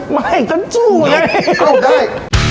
ไม่ก็จู่ไง